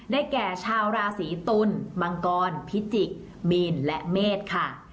แก่ชาวราศีตุลมังกรพิจิกมีนและเมฆค่ะ